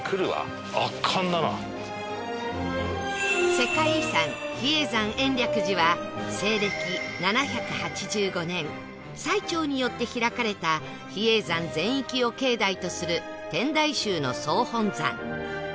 世界遺産比叡山延暦寺は西暦７８５年最澄によって開かれた比叡山全域を境内とする天台宗の総本山